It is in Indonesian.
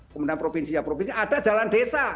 kemudian provinsi ya provinsi ada jalan desa